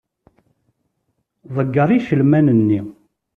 Ḍegger icelman-nni.